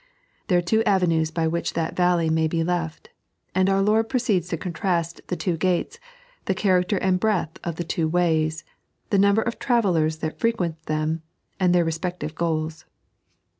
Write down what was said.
There are two av^iues by which that valley may be left ; and our Lord proceeds to contrast the two gates, the character and breadth of the two ways, the number of travellers that frequent them, and their respec tive goals.